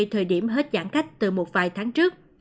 thời điểm hết giãn cách từ một vài tháng trước